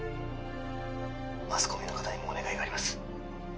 マスコミの方にもお願いがあります